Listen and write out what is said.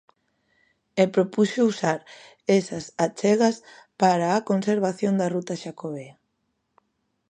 E propuxo usar esas achegas para a conservación da ruta xacobea.